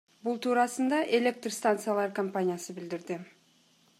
Бул туурасында Электр станциялар компаниясы билдирди.